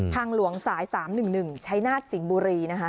ทางหลวงสาย๓๑๑ชัยนาฏสิงห์บุรีนะคะ